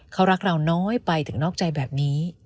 เขารักเราน้อยไปถึงนอกใจแบบนี้